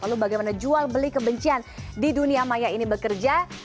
lalu bagaimana jual beli kebencian di dunia maya ini bekerja